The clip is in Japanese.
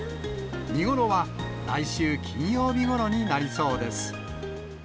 見頃は来週金曜日ごろになりそうです。